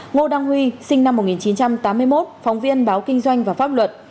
ngô đăng huy sinh năm một nghìn chín trăm tám mươi một phóng viên báo kinh doanh và pháp luật